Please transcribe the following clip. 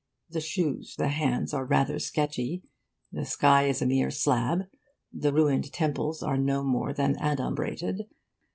The shoes, the hands, are rather sketchy, the sky is a mere slab; the ruined temples are no more than adumbrated.